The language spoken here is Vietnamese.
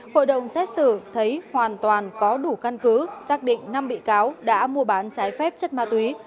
hội đồng xét xử thấy hoàn toàn có đủ căn cứ xác định năm bị cáo đã mua bán trái phép chất ma túy